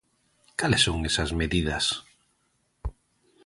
¿Cales son esas medidas?